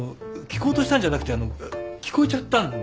聞こうとしたんじゃなくて聞こえちゃったんで。